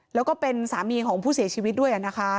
แล้วก็เป็นสามีของผู้เสียชีวิตด้วยนะคะ